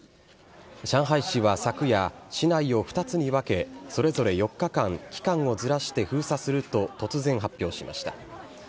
上海市は昨夜、市内を２つに分け、それぞれ４日間、期間をずらして封鎖すると突然、発表しました。